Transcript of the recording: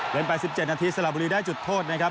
ไป๑๗นาทีสละบุรีได้จุดโทษนะครับ